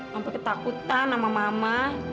sampai ketakutan sama mama